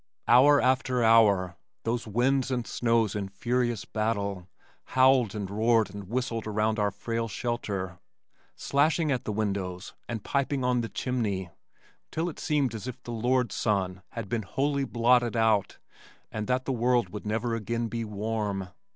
Hour after hour those winds and snows in furious battle, howled and roared and whistled around our frail shelter, slashing at the windows and piping on the chimney, till it seemed as if the Lord Sun had been wholly blotted out and that the world would never again be warm.